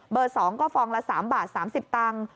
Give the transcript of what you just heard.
เบอร์๒ก็ฟองละ๓บาท๓๐ตังค์